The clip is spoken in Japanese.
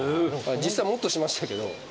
実際もっとしましたけど。